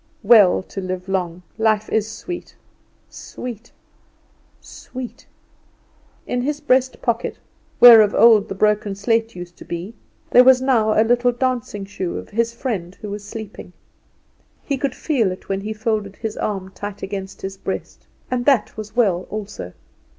Well to live long; life is sweet, sweet, sweet! In his breast pocket, where of old the broken slate used to be, there was now a little dancing shoe of his friend who was sleeping. He could feel it when he folded his arm tight against his breast; and that was well also.